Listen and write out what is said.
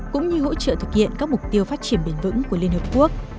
cũng như hỗ trợ thực hiện các mục tiêu phát triển bền vững của liên hợp quốc